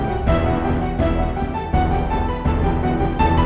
apa morya angkat alias kamu dulu